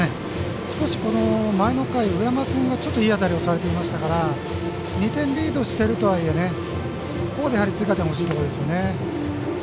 少し、前の回、上山君がいい当たりをされていましたから２点リードしているとはいえここで追加点ほしいところですね。